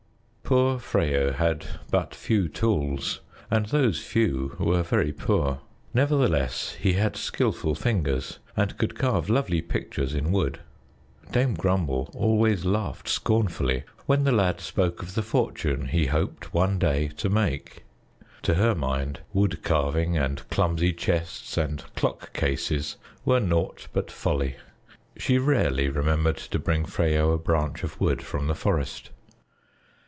Poor Freyo had but few tools, and those few were very poor; nevertheless, he had skillful fingers and could carve lovely pictures in wood. Dame Grumble always laughed scornfully when the lad spoke of the fortune he hoped one day to make. To her mind, wood carving and clumsy chests and clock cases were naught but folly. She rarely remembered to bring Freyo a branch of wood from the forest.